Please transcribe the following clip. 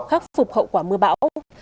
khắc phục hậu quả mưa bão